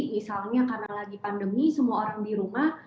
misalnya karena lagi pandemi semua orang di rumah